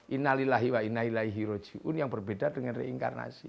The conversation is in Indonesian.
innalillahi wa inna ilaihi roji'un yang berbeda dengan reinkarnasi